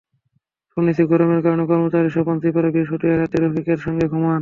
শুনেছি গরমের কারণে কর্মচারী স্বপন ত্রিপুরা বৃহস্পতিবার রাতে রফিকের সঙ্গে ঘুমান।